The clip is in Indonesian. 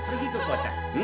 nah nanti abah ganti